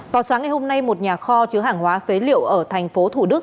vào sáng ngày hôm nay một nhà kho chứa hàng hóa phế liệu ở thành phố thủ đức